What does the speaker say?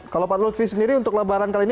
kalau pak lutfi sendiri untuk lebaran kali ini